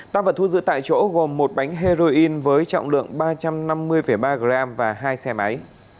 tăng vật thu giữ tại chỗ gồm một bánh heroin với trọng lượng ba trăm năm mươi ba g và hai xe máy